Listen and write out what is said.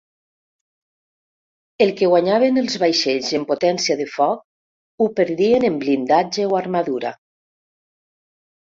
El que guanyaven els vaixells en potència de foc ho perdien en blindatge o armadura.